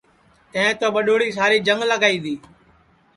تیں تو ٻڈؔوڑی ساری جنگ لگائی دؔی